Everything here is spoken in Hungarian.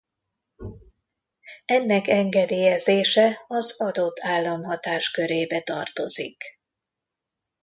Ennek engedélyezése az adott állam hatáskörébe tartozik.